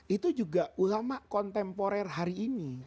itu juga ulama kontemporer hari ini